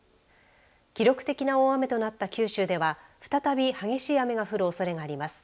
記録的な大雨となった九州では再び激しい雨が降るおそれがあります。